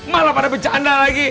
malah pada bercanda lagi